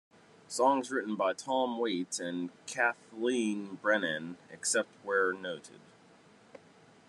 Songs written by Tom Waits and Kathleen Brennan, except where noted.